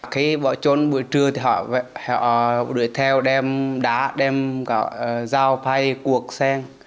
khi bỏ trốn buổi trưa thì họ đuổi theo đem đá đem dao phay cuộc sen